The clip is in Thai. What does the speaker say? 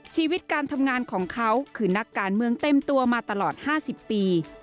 ชีวิตการทำงานของเขาคือนักการเมืองเต็มตัวมาตลอด๕๐ปี